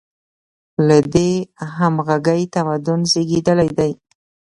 له دې همغږۍ تمدن زېږېدلی دی.